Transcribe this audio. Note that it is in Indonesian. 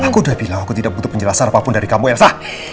aku udah bilang aku tidak butuh penjelasan apapun dari kamu yang sah